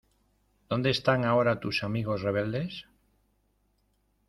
¿ Dónde están ahora tus amigos rebeldes?